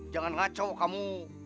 jangan ngacau kamu